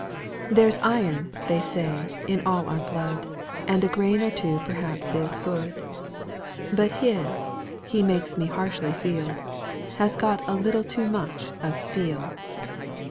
"There's iron, they say, in all our blood, And a grain or two perhaps is good; But his, he makes me harshly feel, Has got a little too much of steel."